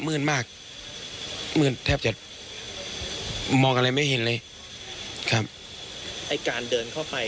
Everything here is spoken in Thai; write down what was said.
มืดมากมืดแทบจะมองอะไรไม่เห็นเลยครับไอ้การเดินเข้าไป